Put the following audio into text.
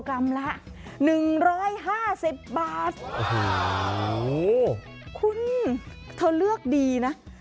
คุณเธอเลือกดีนะ